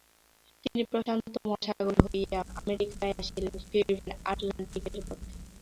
তিনি প্রশান্ত মহাসাগর হইয়া আমেরিকায় আসিলেন, ফিরিবেন অ্যাটলাণ্টিকের পথে।